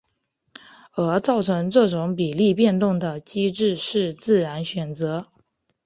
而造成这种比例变动的机制是自然选择。